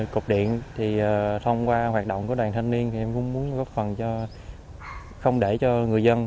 cục điện thì thông qua hoạt động của đoàn thanh niên thì em cũng muốn góp phần không để cho người dân